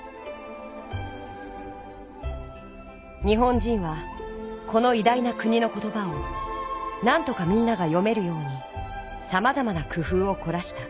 日本人はこのいだいな国の言葉をなんとかみんなが読めるようにさまざまなくふうをこらした。